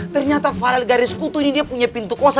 ternyata farel garis kutu ini dia punya pintu kuasa